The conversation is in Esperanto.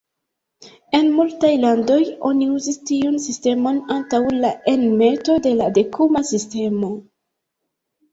En multaj landoj oni uzis tiun sistemon antaŭ la enmeto de la dekuma sistemo.